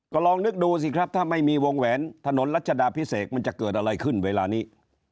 ก็ลองนึกดูสิครับถ้าไม่มีวงแหวนถนนรัชดาพิเศษมันจะเกิดอะไรขึ้นเวลานี้